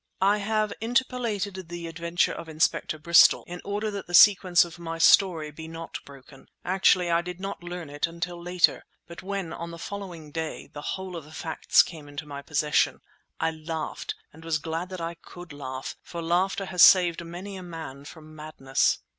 I have interpolated the adventure of Inspector Bristol in order that the sequence of my story be not broken; actually I did not learn it until later, but when, on the following day, the whole of the facts came into my possession, I laughed and was glad that I could laugh, for laughter has saved many a man from madness.